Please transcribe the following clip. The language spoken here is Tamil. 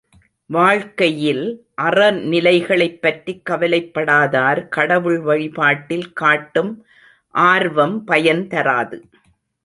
வாழ்க்கையில் அறநிலைகளைப் பற்றிக் கவலைப்படாதார், கடவுள் வழிபாட்டில் காட்டும் ஆர்வம் பயன் தராது.